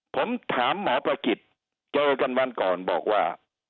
ผมถามหมอประกิจเจอกันวันก่อนบอกว่า